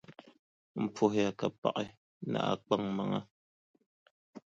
M puhiya ka paɣi, ni a kpaŋmaŋa.